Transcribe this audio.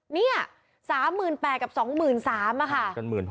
เนี่ย๓๘๐๐๐กับ๒๓๐๐๐อ่ะค่ะ